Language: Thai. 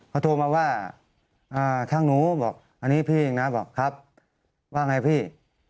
เขาโทรมาว่าทางหนูบอกอันนี้พี่เองนะบอกครับว่าไงพี่